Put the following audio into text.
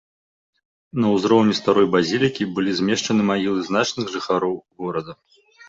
На ўзроўні старой базілікі былі змешчаны магілы значных жыхароў горада.